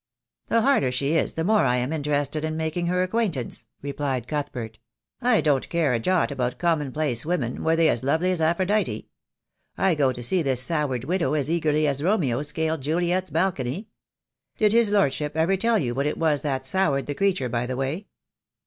"The harder she is the more I am interested in mak ing her acquaintance," replied Cuthbert. "I don't care a jot about commonplace women, were they as lovely as Aphrodite. I go to see this soured widow as eagerly as Romeo scaled Juliet's balcony. Did his lordship ever tell you what it was that soured the creature, by the way?